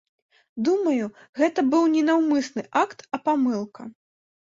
Думаю, гэта быў не наўмысны акт, а памылка.